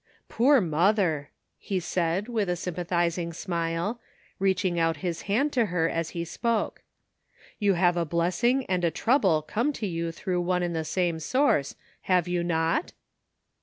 "Poor mother!" he said, with a sympa thizing smile, reaching out his hand to her as he spoke, "you have a blessing and a trouble come to you through one and the same source, have you not?"